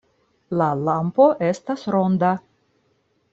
La lampo estas ronda.